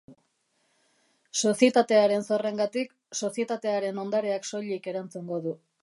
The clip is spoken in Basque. Sozietatearen zorrengatik sozietatearen ondareak soilik erantzungo du.